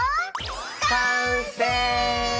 完成！